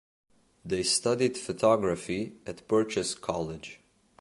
They studied photography at Purchase College.